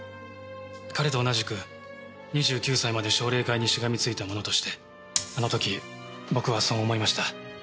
彼と同じく２９歳まで奨励会にしがみついた者としてあの時僕はそう思いました。